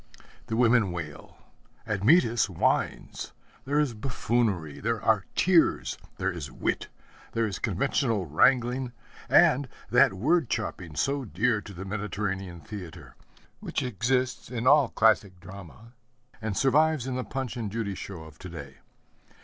The women wail, Admetus whines; there is buffoonery, there are tears, there is wit, there is conventional wrangling, and that word chopping so dear to the Mediterranean theatre, which exists in all classic drama and survives in the Punch and Judy show of to day.